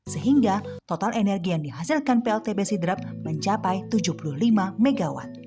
sehingga total energi yang dihasilkan pltb sidrap mencapai tujuh puluh lima mw